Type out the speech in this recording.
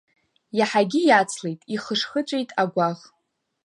Иаҳагьы иацлеит, ихышхыҵәеит агәаӷ.